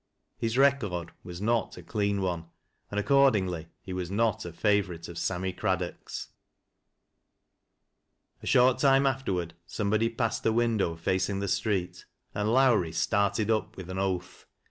His record was not a clean one, and accordingly he was not a favorite of Sammy Craddock's. A short time afterward somebody passed the window facing the street, and Lowrie started up with an oath.